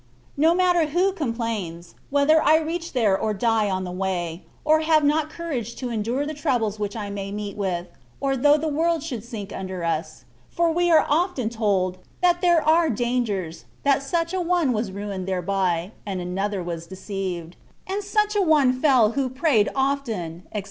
No matter who complains, whether I reach there or die on the way, or have not courage to endure the troubles which I may meet with, or though the world should sink under us; for we are often told, " That there are dangers ; that such an one was ruined thereby, and another was deceived; and such an one fell who prayed often,'^ &c.